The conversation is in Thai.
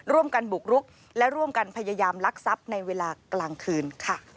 ร่วมกันบุกรุกและร่วมกันพยายามลักทรัพย์ในเวลากลางคืนค่ะ